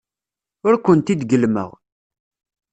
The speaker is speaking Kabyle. Ur kent-id-gellmeɣ.